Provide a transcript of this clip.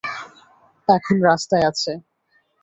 এখন রাস্তায় আছে।